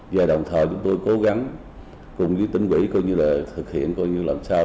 và đồng thời chúng tôi cố gắng cùng với tỉnh quỹ thực hiện làm sao